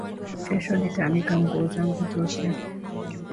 Kesho nitaanika nguo zangu zote